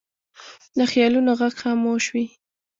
د خیالونو غږ خاموش وي